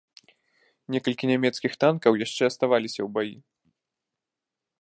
Некалькі нямецкіх танкаў яшчэ аставаліся ў баі.